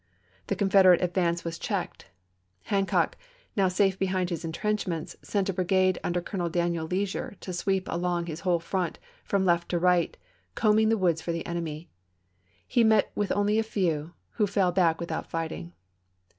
The Confederate ad vance was checked. Hancock, now safe behind his intrenchments, sent a brigade under Colonel Daniel Leasure to sweep along his whole front from left to right, combing the woods for the enemy. He met only a few, who fell back without fighting.